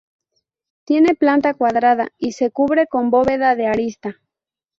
Tiene planta cuadrada y se cubre con bóveda de arista.